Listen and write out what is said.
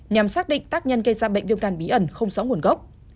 nhằm xác định tác nhân gây ra bệnh viêm gan bí ẩn không rõ nguồn gốc